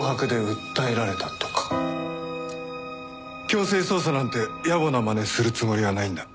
強制捜査なんて野暮な真似するつもりはないんだ。